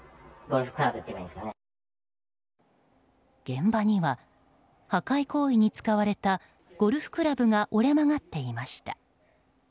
現場には、破壊行為に使われたゴルフクラブが折れ曲がっていました。